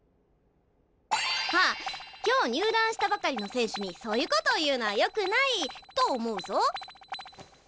ああ今日入団したばかりの選手にそういうことを言うのはよくないと思うぞ。